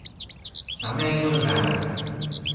Sáng nay mưa rào